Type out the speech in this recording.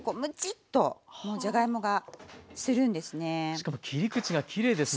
しかも切り口がきれいですね。